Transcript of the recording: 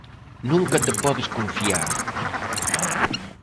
Nunca te podes confiar.